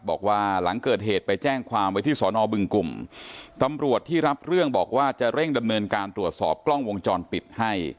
บอกว่าหลังเกิดเหตุไปแจ้งความไว้ที่สอนอบึงกลุ่มตำรวจที่รับเรื่องบอกว่าจะเร่งดำเนินการตรวจสอบกล้องวงจรปิดให้